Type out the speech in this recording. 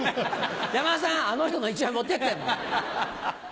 山田さんあの人の１枚持ってって。